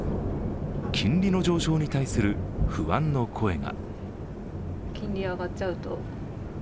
金利の上昇に対する不安の声が。